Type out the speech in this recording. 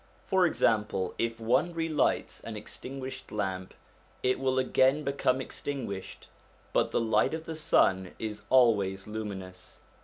For example, if one re lights an extinguished lamp, it will again become extinguished; but the light of the sun is always luminous.